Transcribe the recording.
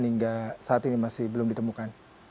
hingga saat ini masih belum ditemukan